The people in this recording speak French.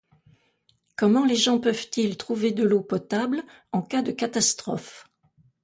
Comment les gens peuvent-ils trouver de l'eau potable en cas de catastrophe ?